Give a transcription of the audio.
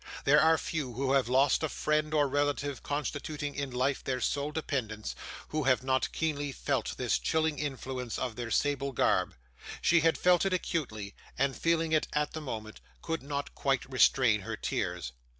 There are few who have lost a friend or relative constituting in life their sole dependence, who have not keenly felt this chilling influence of their sable garb. She had felt it acutely, and feeling it at the moment, could not quite restrain her tears.